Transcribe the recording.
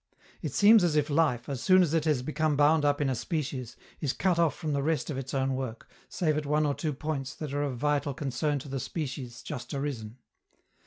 It seems as if life, as soon as it has become bound up in a species, is cut off from the rest of its own work, save at one or two points that are of vital concern to the species just arisen.